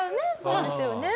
そうですよね。